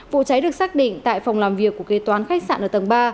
vụ cháy được xác định tại phòng làm việc của kế toán khách sạn ở tầng ba